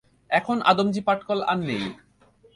এখন আদমজী পাটকল আর নেই।